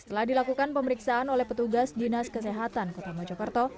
setelah dilakukan pemeriksaan oleh petugas dinas kesehatan kota mojokerto